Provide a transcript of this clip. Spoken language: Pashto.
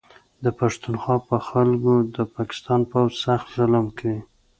د پښتونخوا په خلکو د پاکستان پوځ سخت ظلم کوي